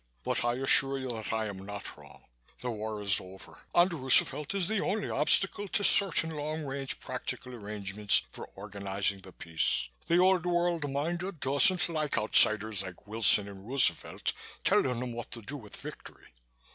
But I assure you that I am not wrong. The war is over and Roosevelt is the only obstacle to certain long range practical arrangements for organizing the peace. The Old World, mind you, doesn't like outsiders like Wilson and Roosevelt telling them what to do with victory.